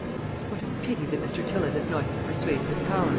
"What a pity that Mr. Tillott has not his persuasive powers!"